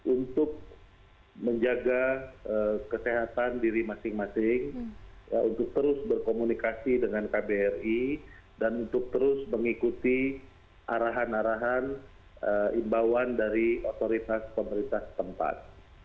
untuk menjaga kesehatan diri masing masing untuk terus berkomunikasi dengan kbri dan untuk terus mengikuti arahan arahan imbauan dari otoritas pemerintah tempat